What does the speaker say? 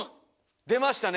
出ましたね！